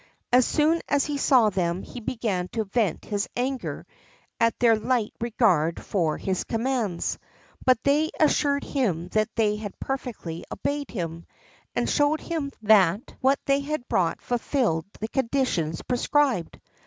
As soon as he saw them he began to vent his anger at their light regard for his commands, but they assured him that they had perfectly obeyed him, and showed him that what they had brought fulfilled the conditions prescribed.